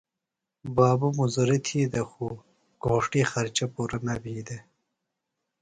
بابو مُزدُریۡ تھی دےۡ خُو گھوݜٹی خرچہ پُرہ نہ بھی دےۡ۔